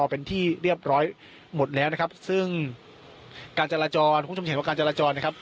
เป็นที่เรียบร้อยหมดแล้วนะครับซึ่งการจราจรคุณผู้ชมจะเห็นว่าการจราจรนะครับ